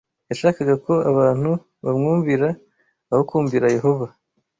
Yashakaga ko abantu bamwumvira aho kumvira Yehova